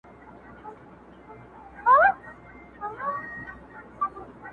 دا ګودر زرګر دی دلته پېغلي هم زرګري دي,